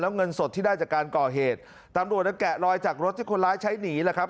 เงินสดที่ได้จากการก่อเหตุตำรวจแกะรอยจากรถที่คนร้ายใช้หนีแหละครับ